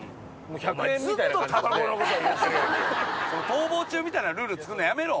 「逃亡中」みたいなルール作るのやめろ！